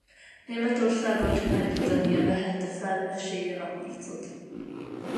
Németországgal csak Nagy-Britannia vehette fel eséllyel a harcot.